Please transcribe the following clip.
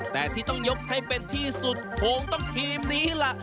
แต่ที่ต้องยกให้เป็นที่สุดคงต้องทีมนี้ล่ะ